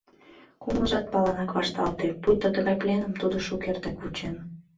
Кумылжат палынак вашталте, пуйто тыгай пленым тудо шукертак вучен.